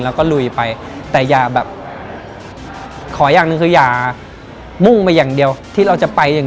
แล้วก็ลุยไปแต่อย่าแบบขออย่างหนึ่งคืออย่ามุ่งไปอย่างเดียวที่เราจะไปอย่าง